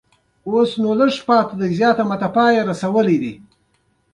دا ناسم تصور شخړې زېږوي.